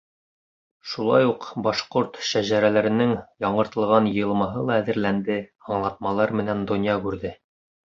Шулай уҡ башҡорт шәжәрәләренең яңыртылған йыйылмаһы ла әҙерләнде, аңлатмалар менән донъя күрҙе.